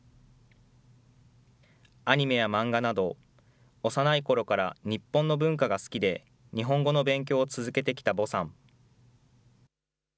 アニメや漫画など、幼いころから日本の文化が好きで、日本語の勉強を続けてきたヴォさん。